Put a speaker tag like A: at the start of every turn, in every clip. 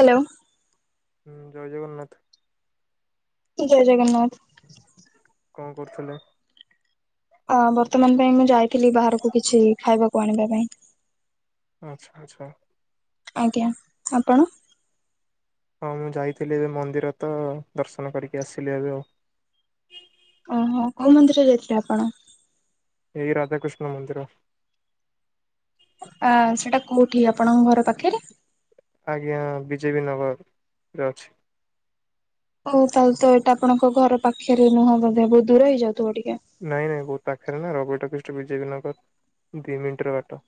A: Hello.
B: ହୁଁ, ଜୟ ଜଗନ୍ନାଥ।
A: ଜୟ ଜଗନ୍ନାଥ।
B: କଣ କରୁଥିଲେ?
A: ଅ ବର୍ତ୍ତମାନ୍ ପାଇଁ ମୁଁ ଯାଇଥିଲି ବାହାରକୁ କିଛି ଖାଇବାକୁ ଆଣିବା ପାଇଁ।
B: ଆଚ୍ଛା-ଆଚ୍ଛା।
A: ଆଜ୍ଞା, ଆପଣ
B: ହଁ ମୁଁ ଯାଇଥିଲି ଏବେ ମନ୍ଦିର ତ ଦର୍ଶନ କରିକି ଆସିଲି ଏବେ।
A: ଓହୋ, କୋଉ ମନ୍ଦିର ଯାଇଥିଲେ ଆପଣ?
B: ଏଇ ରାଧାକୃଷ୍ଣ ମନ୍ଦିର।
A: ଅ ସେଟା କୋଉଠି ଆପଣଙ୍କ ଘର ପାଖେରେ?
B: ଆଜ୍ଞା ବିଜେପି ନଗର ଯାଉଚି।
A: ଆଉ ତାହେଲେ ତ ଆପଣଙ୍କ ଘର ପାଖେରେ ନୁହଁ ବୋଧେ ବହୁତ୍ ଦୂର ହେଇଯାଉଥିବ ଟିକେ?
B: ନାଇଁ-ନାଇଁ ବହୁତ୍ ପାଖରେ ନା [unintelligible] ବିଜେପି ନଗର ଦି ମିନିଟ୍ ର ବାଟ।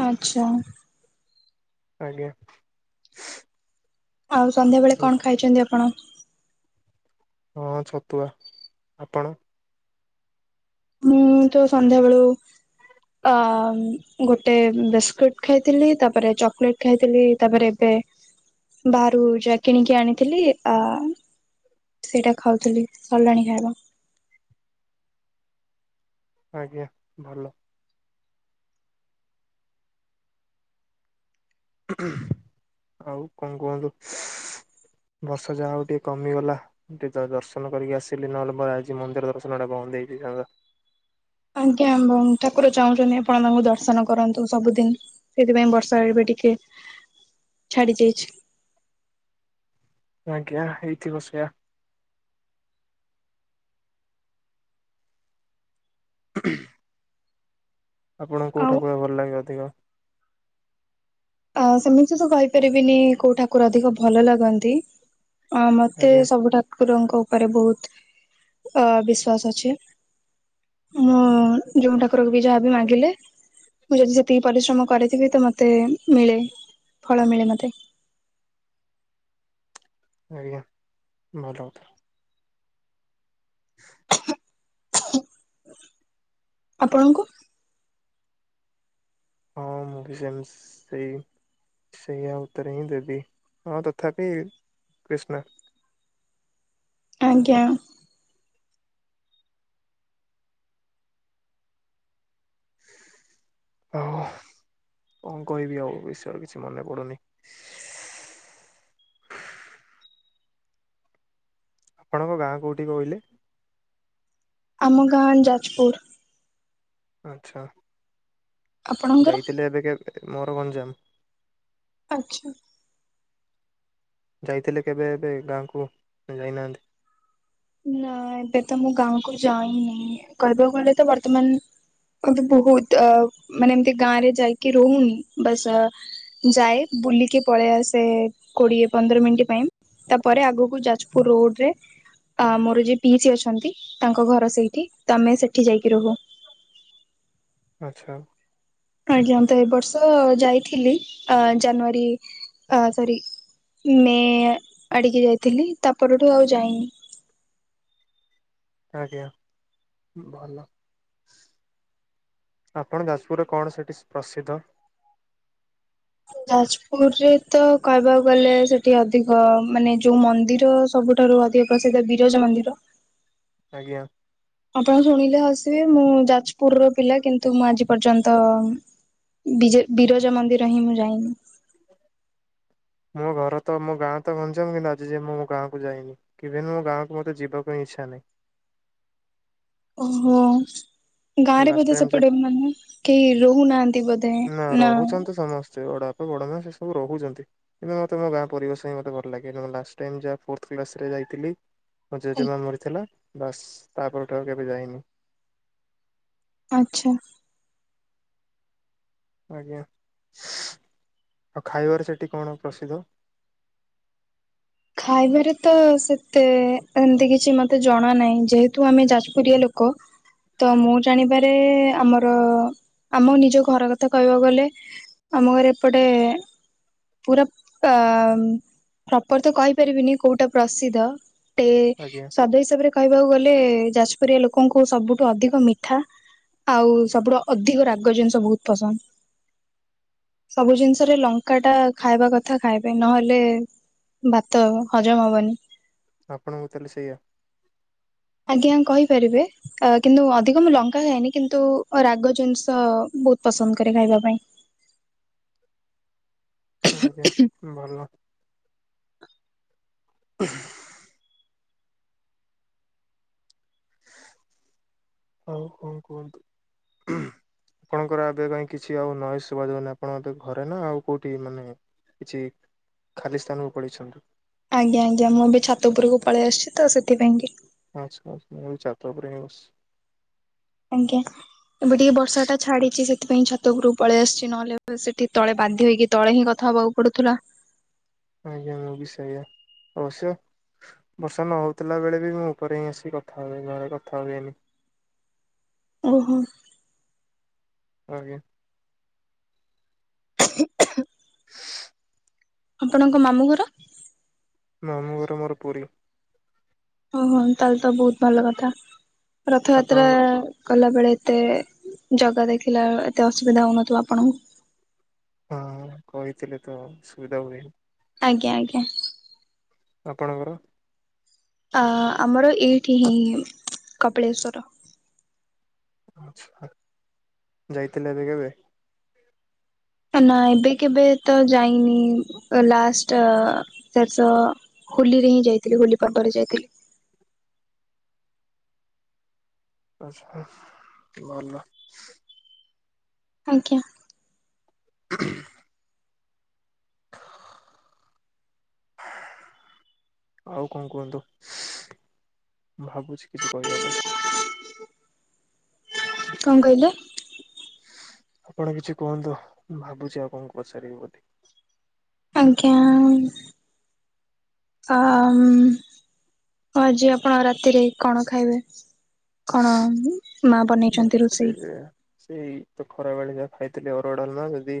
A: ଆଚ୍ଛା।
B: ଆଜ୍ଞା।
A: ଆଉ ସନ୍ଧ୍ୟାବେଳେ କଣ ଖାଇଚନ୍ତି ଆପଣ?
B: ହଁ ଛତୁଆ ଆପଣ।
A: ମୁଁ ତ ସନ୍ଧ୍ୟାବେେଳୁ ଅ ଗୋଟେ ବିସ୍କୁଟ୍ ଖାଇଥିଲି, ତାପ୍ରେ ଚକଲେଟ୍ ଖାଇଥିଲି, ତାପ୍ରେ ଏ ବାହାରୁ ଯା କିଣିକି ଆଣିଥିଲି ଆ ସେଇଟା ଖାଉଥିଲି ସର୍ଲାଣି ଖାଇବା।
B: ଆଜ୍ଞା ଭଲ। ଆଉ କଂ କୁହନ୍ତୁ ବର୍ଷା ଯାହା ହଉ ଟିକେ କମିଗଲା। ଦିନର ଦର୍ଶନ କରିକି ଆସିଲି ନହେଲେ ଆଜି ମନ୍ଦିର ଦର୍ଶନ ଟା ବନ୍ଦ ହେଇଯାଇଥାନ୍ତା।
A: ଆଜ୍ଞା ହଁ ଠାକୁର ଚାହୁଁଛନ୍ତି ଆପଣ ତାଙ୍କୁ ଦର୍ଶନ କରନ୍ତୁ ସବୁଦିନ। ଏଥିପାଇଁ ବର୍ଷା ଏବେ ଟିକେ ଛାଡି ଯାଇଚି।
B: ଆଜ୍ଞା ହେଇଥିବ ସେଇଆ। [inaudible] ଆପଣଙ୍କୁ କୋଉ
A: ଆଉ
B: ଠାକୁର ଭଲ ଲାଗେ ଅଧିକ?
A: ଅ ସେମିତି ତ କହିପାରିବିନି କୋଉ ଠାକୁର ଅଧିକ ଭଲ ଲାଗନ୍ତି। ଅ ମତେ
B: ଆଜ୍ଞା
A: ସବୁ ଠାକୁରଙ୍କ ଉପରେ ବୋହୁତ୍ ଅ ବିଶ୍ୱାସ ଅଛି। ହଁ ଯୋଉ ଠାକୁରକୁ ବି ଯାହାବି ମାଗିଲେ ମୁଁ ଯେ ଯେତିକି ପରିଶ୍ରମ କରିଥିବି ତ ମତେ ମିଳେ ଫଳ ମିଳେ ମତେ।
B: ଆଜ୍ଞା ଭଲକଥା। [inaudible]
A: ଆପଣଙ୍କୁ।
B: ହଁ, ମୁଁ ବି ସେମ୍ ସେ ସେଇ। ସେଇଆ ଉତ୍ତର ହିଁ ଦେବି। ହଁ ତ ଉଥାପି କୃଷ୍ଣ।
A: ଆଜ୍ଞା।
B: [inaudible] ଆଉ କଂ କହିବି ଆଉ ବିଷୟ କିଛି ମନେ ପଡୁନି। ଆପଣଙ୍କ ଗାଁ କୋଉଠି କହିଲେ।
A: ଆମ ଗାଁ ଯାଜ୍ପୁର୍।
B: ଆଚ୍ଛା।
A: ଆପଣଙ୍କର?
B: ଯାଇଥିଲେ ଏବେ କେ ମୋର ଗଞ୍ଜାମ୍।
A: ଆଚ୍ଛା।
B: ଯାଇଥିଲେ କେବେ ଏବେ ଗାଁକୁ ଯାଇନାହାନ୍ତି?
A: ନାଇଁ ଏବେ ତ ମୁଁ ଗାଁ କୁ ଯାଇନି। କହିବାକୁ ଗଲେ ତ ବର୍ତ୍ତମାନ୍ ଅଗ୍ଦେ ବୋହୁତ୍ ଅ ମାନେ ଏମ୍ତି ଗାଁ ରେ ଯାଇକି ରହୁନି ବାସ୍ ଅ ଯାଏ ବୁଲିକି ପଳେଇ ଆସେ କୋଡିଏ ପନ୍ଦର ମିନିଟ୍ ପାଇଁ। ତାପରେ ଆଗକୁ ଯାଜ୍ପୁର୍ ରୋଡ୍ ରେ। ଆ ମୋର ଯିଏ ପିଇସି ଅଛନ୍ତି। ତାଙ୍କ ଘର ସେଇଠି ତ ଆମେ ସେଠି ଯାଇକି ରହୁ।
B: ଆଚ୍ଛା।
A: ଆଜ୍ଞା। ମୁଁ, ତ ଏ ବର୍ଷ ଯାଇଥିଲି ଆ ଜାନୁଆରୀ ଆ ସରି ମେ ଆଡ଼ିକି ଯାଇଥିଲି। ତା ପରଠୁ ଆଉ ଯାଇନି।
B: ଆଜ୍ଞା। ଭଲ [inaudible] ଆପଣ ଯାଜପୁର୍ରେ କଣ ସେଠି ପ୍ରସିଦ୍ଧ?
A: ଯାଜପୁର୍ରେ ତ କହିବାକୁ ଗଲେ। ସେଠି ଅଧିକ ମାନେ ଯୋଉ ମନ୍ଦିର ସବୁଠାରୁ ଅଧି ପ୍ରସିଦ୍ଧ ବିରଜା ମନ୍ଦିର।
B: ଆଜ୍ଞା।
A: ଆପଣ ଶୁଣିଲେ ହସିବେ। ମୁଁ, ଯାଜ୍ପୁର୍ ର ପିଲା କିନ୍ତୁ, ମୁଁ ଆଜି ପର୍ଯ୍ୟନ୍ତ ବିଜ ବିରଜା ମନ୍ଦିର ହିଁ ମୁଁ ଯାଇନି।
B: ମୋ ଘର ତ ମୋ ଗାଁ ତ ଗଞ୍ଜାମ୍ କିନ୍ତୁ ଆଜି ଯାଏଁ ମୁଁ ମୋ ଗାଁକୁ ଯାଇନି। କିଭିନି ମୋ ଗାଁକୁ ମତେ ଯିବାକୁ ହିଁ ଇଚ୍ଛା ନାହିଁ।
A: ଓହୋ। ଗାଁ
B: ମୁଁ
A: ରେ
B: ଲାଷ୍ଟ
A: ବୋଧେ
B: ଟାଇମ
A: ସେପଟେ ମାନେ କେହି ରହୁନାହାନ୍ତି ବୋଧ
B: ନା ରହୁଛନ୍ତି ସମସ୍ତେ ଅଡ଼ାପ ବଡ଼ ମା ସେ ସବୁ ରହୁଛନ୍ତି। କିନ୍ତୁ ମୋତେ ମୋ ଗାଁ ପରିବେଶ ହିଁ ମତେ ଭଲ ଲାଗେ, ଯୋ ମୁଁ ଲାଷ୍ଟ୍ ଟାଇମ୍ ଯାହା ଫୋର୍ଥ କ୍ଲାସ ରେ ଯାଇଥିଲି ମୋ ଜେଜେମା ମରିଥିଲା। ବାସ୍ ତା ପରଠୁ ଆଉ କେବେ ଯାଇନି।
A: ଆଚ୍ଛା।
B: ଆଜ୍ଞା। [inaudible] ଆଉ ଖାଇବାରେ ସେଠି କଣ ପ୍ରସିଦ୍ଧ?
A: ଖାଇବାରେ ତ ସେତେ ଏମିତି କିଛି ମତେ ଜଣା ନାହିଁ, ଯେହେତୁ ଆମେ ଯାଜପୁରିଆ ଲୋକ ତ ମୋ ଜାଣିପାରେ ଆମର ଆମ ନିଜ ଘର କଥା କହିବାକୁ ଗଲେ ଆମ ଘରେ ଏପଟେ ପୁରା ଅ ପ୍ରପର ତ କହିପାରିବିନି କୋଉଟା ପ୍ରସିଦ୍ଧ। ଟେ
B: ଆଜ୍ଞା
A: ସ୍ବାଦ ହିସାବରେ କହିବାକୁ ଗଲେ, ଯାଜପୁରିଆ ଲୋକଙ୍କୁ ସବୁଠୁ ଅଧିକ ମିଠା ଆଉ ସବୁଠୁ ଅଧିକ ରାଗ ଜିନିଷ ବହୁତ ପସନ୍ଦ। ସବୁ ଜିନିଷରେ ଲଙ୍କା ଟା ଖାଇବା କଥା ଖାଇବେ, ନହେଲେ ଭାତ ହଜମ ହବନି।
B: ଆପଣଙ୍କୁ ତାହେଲେ ସେଇଆ।
A: ଆଜ୍ଞା କହିପାରିବେ। ଅ କିନ୍ତୁ ଅଧିକ ମୁଁ ଲଙ୍କା ଖାଏନି। କିନ୍ତୁ, ରାଗ ଜିନିଷ ବହୁତ ପସନ୍ଦ କରେ ଖାଇବା ପାଇଁ।
B: ଆଜ୍ଞା ଭଲ। [inaudible]
A: [inaudible]
B: ହଉ ହଉ କୁହନ୍ତୁ।
A: [inaudible]
B: ଆପଣଙ୍କର ଆବେ କାଇଁ କିଛି ଆଉ ନଏଜ ଶୁବା ଯାଉନି, ଆପଣ ମତେ ଘରେ ନା ଆଉ କୋଉଠି? ମାନେ କିଛି ଖାଲି ସ୍ଥାନକୁ ପଳେଇଛନ୍ତୁ।
A: ଆଜ୍ଞା ଆଜ୍ଞା ମୁଁ ଏବେ ଛାତ ଉପୁରୁକୁ ପଳେଇ ଆସୁଛି ତ ସେଥିପାଇଁ କି
B: ଆଚ୍ଛା ମୁଁ ବି ଛାତ ଉପରେ ହିଁ ବସଚି।
A: ଆଜ୍ଞା ଏବେ ଟିକେ ବର୍ଷା ଟା ଛାଡିଛି ସେଥିପାଇଁ ଛାତ ଉପରକୁ ପଳେଇ ଆସିଛି, ନହେଲେ ସେଠି ତଳେ ବାଧ୍ୟ ହେଇକି ତଳେ ହିଁ କଥା ହବାଉ ପଡ଼ୁଥିଲା।
B: ଆଜ୍ଞା ମୁଁ ବି ସେଇଆ। ଅବଶ୍ୟ ବର୍ଷା ନ ହୋଉଥିଲା ବେଳେ ବି ମୁଁ ଉପରେ ହିଁ ଆସିକି କଥା ହୁଏ ଘରେ କଥା ହୁଏନି।
A: ଓହୋ।
B: ଆଜ୍ଞା।
A: [inaudible]
B: [inaudible]
A: ଆପଣଙ୍କ ମାମୁଁ ଘର?
B: ମାମୁଁଘର ମୋର ପୁରୀ।
A: ଉଁ ହୁଁ ତାହେଲେ ତ ବହୁତ ଭଲ କଥା। ରଥଯାତ୍ରା
B: ଆପଣଙ୍କ
A: ଗଲା ବେଳେ ଏତେ ଜଗା ଦେଖିଲା ଏତେ ଅସୁବିଧା ହୋଉନଥିବ ଆପଣଙ୍କୁ?
B: ହଁ କହିଥିଲେ ତ ସୁବିଧା ହୁଏନି।
A: ଆଜ୍ଞା ଆଜ୍ଞା।
B: ଆପଣଙ୍କର?
A: ଆ ଆମର ଏଇଠି ହିଁ କପିଳେଶ୍ଵର।
B: ଆଚ୍ଛା, ଯାଇଥିଲେ ଏବେ କେବେ?
A: ନା ଏବେ କେବେ ତ ଯାଇନି ଲାଷ୍ଟ ଶେଷ ହୋଲିରେ ହିଁ ଯାଇଥିଲି ହୋଲି ପର୍ବରେ ଯାଇଥିଲି।
B: ଆଛା ଆଛା ଭଲ
A: ଆଜ୍ଞା।
B: [unintelligible]
A: [inaudible]
B: ଆଉ କଣ କୁହନ୍ତୁ। ଭାବୁଛି କିଛି କହିବା ପାଇଁ
A: କଣ କହିଲେ?
B: ଆପଣ କିଛି କୁହନ୍ତୁ ମୁଁ ଭାବୁଛି ଆଉ କଣ ପଚାରିବି ବୋଲି
A: ଆଜ୍ଞା ଆ ଆଉ ଆଜି ଆପଣ ରାତିରେ କଣ ଖାଇବେ କଣ ମା ବନେଇଛନ୍ତି ରୋଷେଇ
B: ରାତିରେ ସେଇ ତ ଖରା ବେଳେ ଯାହା ଖାଇଥିଲେ ଅରୁଆ ଡାଲମା ଯଦି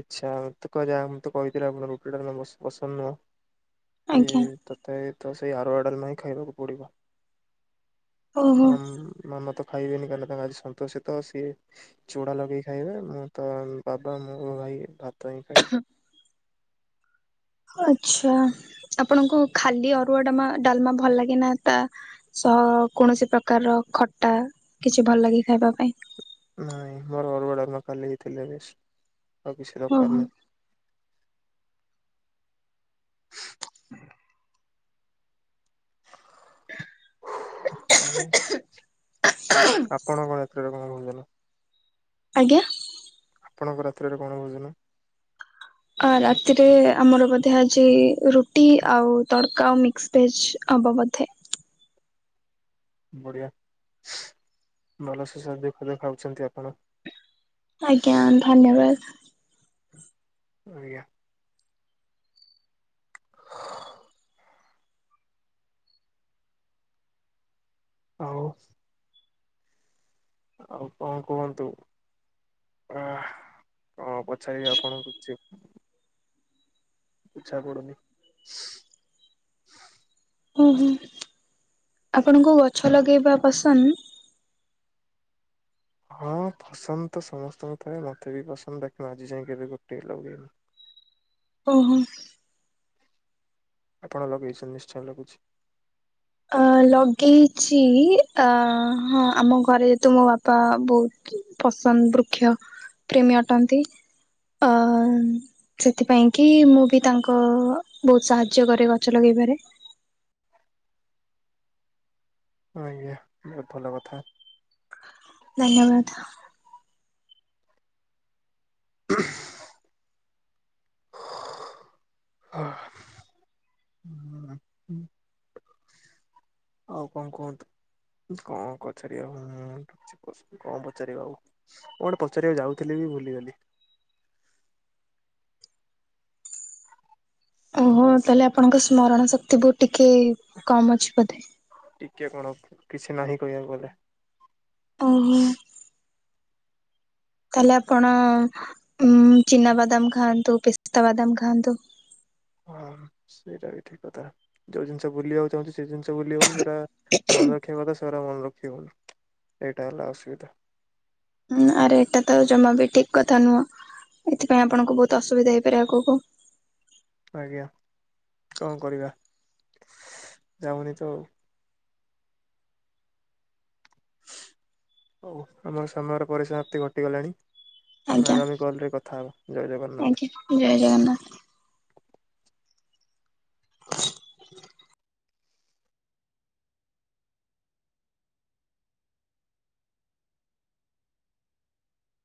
B: ଇଚ୍ଛା ମତେ କରିବା ମୁଁ ତ କହିଥିଲି ଆପଣ ରୁଟି ଡାଲମା ବ ପସନ୍ଦ ନୁହଁ କି
A: ଆଜ୍ଞା
B: ତତେ ତ ସେଇ ଅରୁଆ ଡାଲମା ହିଁ ଖାଇବାକୁ ପଡିବ
A: ଓହୋ
B: ଅମ୍ ମାମା ତ ଖାଇବେନି କାହିଁକି ନା ତାଙ୍କ ଆଜି ସନ୍ତୋଷି ତ ସିଏ ଚୁଡ଼ା ଲଗେଇକି ଖାଇବେ ମୁଁ ତ ବାବା ମୋ ଭାଇ ଭାତ ହିଁ ଖାଇବୁ।
A: ଆଛା, ଆପଣଙ୍କୁ ଖାଲି ଅରୁଆ ଡା ଡାଲମା ଭଲ ଲାଗେନା ତା ସ କୌଣସି ପ୍ରକାରର ଖଟା କିଛି ଭଲ ଲାଗେ ଖାଇବା ପାଇଁ
B: ନାଇଁ ମୋର ଅରୁଆ ଡ଼ାଲମା କାଲି ହେଇଥିଲେ ବେଷ୍ଟ ଆଉ କିଛି
A: ଓହୋ।
B: ଦରକାର ନା ଆଉ ଆପଣ କଣ ରାତ୍ରରେ ଭୋଜନ
A: ଆଜ୍ଞା।
B: ଆପଣଙ୍କ ରାତ୍ରିରେ କଣ ଭୋଜନ
A: ଆ ରାତିରେ ଆମର ବୋଧେ ଆଜି ରୁଟି ଆଉ ତଡକା ଆଉ ମିକ୍ସ ଭେଜ ହବ ବୋଧେ
B: ବଢିଆ ଭଲସେ ସୁଆଦିଆ ଖାଉଛନ୍ତି ଆପଣ
A: ଆଜ୍ଞା ଧନ୍ୟବାଦ।
B: ଆଜ୍ଞା ଆଉ ଆଉ କଣ କୁହନ୍ତୁ। ଅ ହଁ ପଛାରିବି ଆପଣଙ୍କୁ କିଛି ଇଚ୍ଛା କରୁନି।
A: ଉଁ ହୁଁ ଆପଣଙ୍କୁ ଗଛ ଲଗେଇବା ପସନ୍ଦ।
B: ହଁ ପସନ୍ଦ ତ ସମସ୍ତଙ୍କୁ ଥାଏ, ମତେ ବି ପସନ୍ଦ ଦେଖୁଣ ଆଜି ଯାଇ କେବେ ଗୋଟେ ବି ଲଗେଇନି।
A: ଓହୋ
B: ଆପଣ ଲଗେଇଛନ୍ତି ନିଶ୍ଚୟ ଲାଗୁଛି।
A: ଅ ଲଗେଇଚି ଅ ହଁ ଆମ ଘରେ ଯେହେତୁ ମୋ ବାପା ବୋଉ ପସନ୍ଦ ବୃକ୍ଷ ପ୍ରେମୀ ଅଟନ୍ତି। ଅ ସେଥିପାଇଁ କି ମୁଁ ବି ତାଙ୍କ ବହୁତ ସାହାଯ୍ୟ କରେ ଗଛ ଲଗେଇବାରେ।
B: ହଁ ଆଜ୍ଞା ବହୁତ ଭଲ କଥା।
A: ଧନ୍ୟବାଦ।
B: [unintelligible] ଅ ଆଉ କଣ କୁହନ୍ତୁ। କଣ ପଚାରିବା ମୁଁ କିଛି କଣ ପଚାରିବା ଆଉ। କଣ ପଚାରିବା ଯାଉଥିଲି ବି ଭୁଲିଗଲି।
A: ଓହୋ ତାହେଲେ ଆପଣଙ୍କ ସ୍ମରଣ ଶକ୍ତି ବହୁତ ଟିକେ କମ୍ ଅଛି ବୋଧେ।
B: ଟିକେ କଣ କିଛି ନାହିଁ କହିବାକୁ ଗଲେ।
A: ଓହୋ। ତାହେଲେ ଆପଣ ଉଁ ଚିନା ବାଦାମ ଖାଆନ୍ତୁ ପିସ୍ତା ବାଦାମ ଖାଆନ୍ତୁ।
B: ହଁ ସେଇଟା ବି ଠିକ କଥା ଯୋଉ ଜିନିଷ ଭୁଲିବାକୁ ଚାହୁଁଛି ସେ ଜିନିଷ ଭୁଲି ହଉନି ଯଉଟା ମନେ ରଖିବା କଥା ସେଗୁଡ଼ା ମନେ ରଖି ହଉନି ଏଇଟା ହେଲା ଅସୁବିଧା।
A: ହୁଁ ଆରେ ଏଟା ତ ଜମା ବି ଠିକ୍ କଥା ନୁହଁ ଏଥିପାଇଁ ଆପଣଙ୍କୁ ବହୁତ ଅସୁବିଧା ହେଇପାରେ ଆଗକୁ।
B: ଆଜ୍ଞା କଣ କରିବା ଯାଉନି ତ ଆଉ। ହଉ ଆମର ସମୟର ପରିସମାପ୍ତି ଘଟିଗଲାଣି।
A: ଆଜ୍ଞା
B: ଆଗାମୀ କଲରେ କଥା ହବା ଜୟ ଜଗନ୍ନାଥ।
A: ଆଜ୍ଞା ଜୟ ଜଗନ୍ନାଥ।